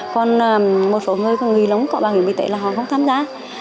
còn một số người có nghi lống có bảo hiểm y tế là họ không tham gia